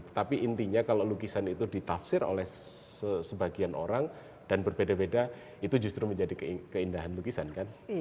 tetapi intinya kalau lukisan itu ditafsir oleh sebagian orang dan berbeda beda itu justru menjadi keindahan lukisan kan